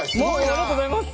ありがとうございます。